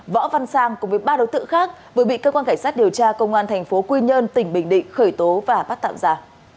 võ văn sang cùng với ba đối tượng khác vừa bị cơ quan cảnh sát điều tra công an thành phố quy nhơn tỉnh bình định khởi tố và bắt tạm giả